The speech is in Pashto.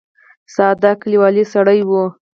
ساده کلیوالي سړی و.